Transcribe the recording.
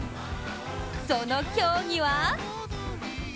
その競技は？